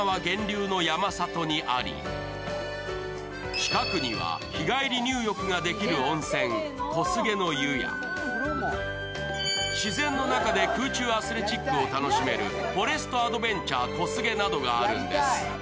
近くには日帰り入浴ができる温泉、小菅の湯や、自然の中で空中アスレチックが楽しめるフォレストアドベンチャー・こすげなどがあるんです。